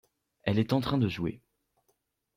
Elle est en train de jouer.